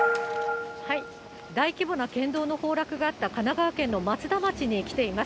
大規模な県道の崩落があった神奈川県の松田町に来ています。